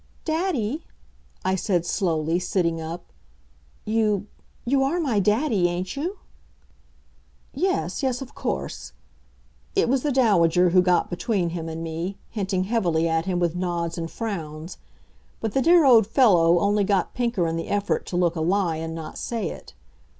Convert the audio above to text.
"Daddy," I said slowly, sitting up. "You you are my daddy, ain't you?" "Yes yes, of course." It was the Dowager who got between him and me, hinting heavily at him with nods and frowns. But the dear old fellow only got pinker in the effort to look a lie and not say it.